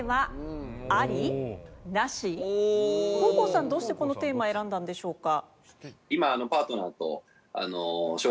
黄皓さんどうしてこのテーマ選んだんでしょうか？